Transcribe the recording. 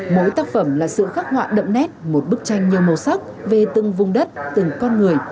mỗi tác phẩm là sự khắc họa đậm nét một bức tranh nhiều màu sắc về từng vùng đất từng con người